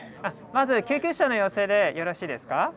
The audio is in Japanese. まずは救急車の要請でよろしいですか？